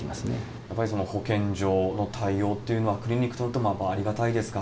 やっぱりその保健所の対応というのは、クリニックにとってもやっぱりありがたいですか？